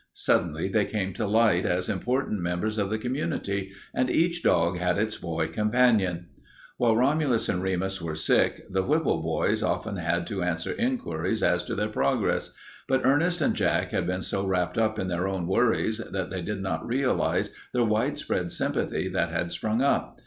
Suddenly they came to light as important members of the community, and each dog had its boy champion. While Romulus and Remus were sick, the Whipple boys often had to answer inquiries as to their progress, but Ernest and Jack had been so wrapped up in their own worries that they did not realize the widespread sympathy that had sprung up.